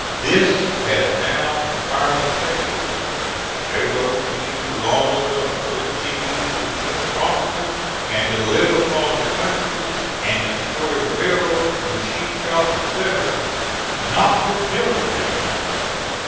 This has now entirely failed. I wrote to you long ago, urging you to push promptly and to live upon the country, and destroy railroads, machine shops, etc., not to build them.